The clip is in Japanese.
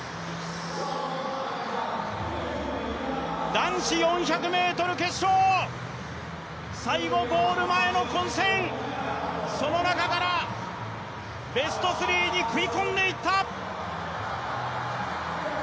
男子４００ｍ決勝、最後、ゴール前の混戦、その中からベスト３に食い込んでいった！